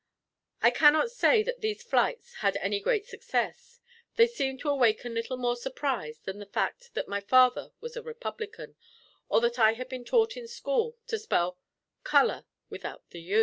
I cannot say that these flights had any great success; they seemed to awaken little more surprise than the fact that my father was a Republican or that I had been taught in school to spell COLOUR without the U.